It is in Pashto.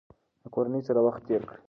د کورنۍ سره وخت تیر کړئ.